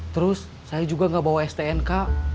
terus saya juga nggak bawa stnk